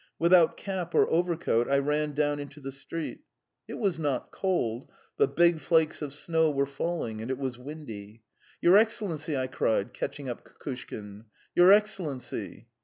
Without cap or overcoat, I ran down into the street. It was not cold, but big flakes of snow were falling and it was windy. "Your Excellency!" I cried, catching up Kukushkin. "Your Excellency!"